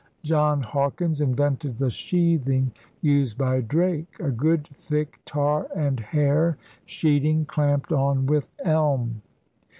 John Hawkins invented the sheathing used by Drake: a good thick tar and hair sheeting clamped on with elm.